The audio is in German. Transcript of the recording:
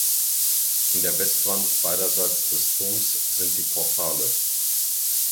In der Westwand beiderseits des Turms sind die Portale.